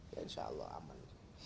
ya insya allah aman